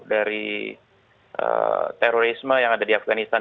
dari terorisme yang ada di afganistan